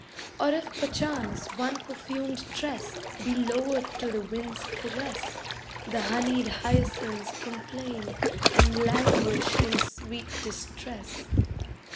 Or if perchance one perfumed tress Be lowered to the wind's caress, The honeyed hyacinths complain, And languish in a sweet distress.